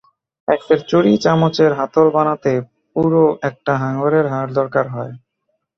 এক সেট ছুড়ি-চামচের হাতল বানাতে পুরো একটা হাঙ্গরের হাড় দরকার হয়।